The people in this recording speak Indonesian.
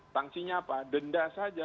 sanksinya apa denda saja